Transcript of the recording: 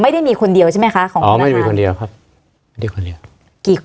ไม่ได้มีคนเดียวใช่ไหมคะของอ๋อไม่มีคนเดียวครับไม่ได้คนเดียวกี่คน